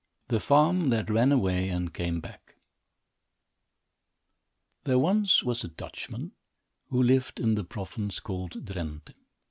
THE FARM THAT RAN AWAY AND CAME BACK There was once a Dutchman, who lived in the province called Drenthe.